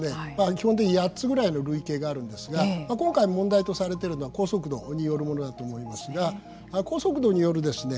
基本的に８つぐらいの類型があるんですが今回問題とされてるのは高速度によるものだと思いますが高速度によるですね